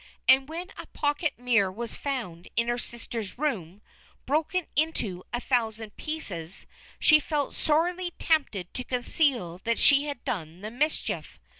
And when a pocket mirror was found in her sister's room, broken into a thousand pieces, she felt sorely tempted to conceal that she had done the mischief.